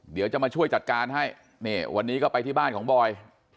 เดี๋ยวจะมาช่วยจัดการให้นี่วันนี้ก็ไปที่บ้านของบอย